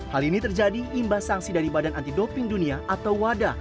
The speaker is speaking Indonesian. hal ini terjadi imbas sanksi dari badan anti doping dunia atau wada